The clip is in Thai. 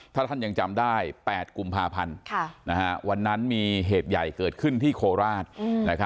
ถ้าท่านยังจำได้๘กุมภาพันธ์วันนั้นมีเหตุใหญ่เกิดขึ้นที่โคราช